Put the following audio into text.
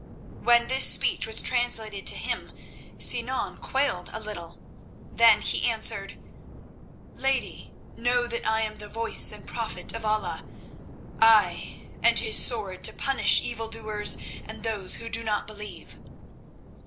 When this speech was translated to him Sinan quailed a little. Then he answered: "Lady, know that I am the Voice and Prophet of Allah—ay, and his sword to punish evil doers and those who do not believe.